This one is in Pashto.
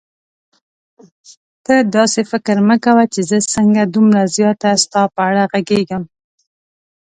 ته داسې فکر مه کوه چې زه څنګه دومره زیاته ستا په اړه غږېږم.